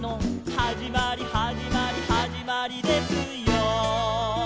「はじまりはじまりはじまりですよー」